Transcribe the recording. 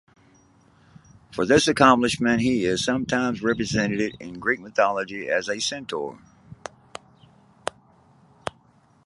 For this accomplishment, he is sometimes represented in Greek mythology as a centaur.